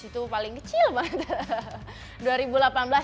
disitu paling kecil banget